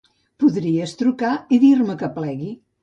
Podries trucar i dir-me que plegui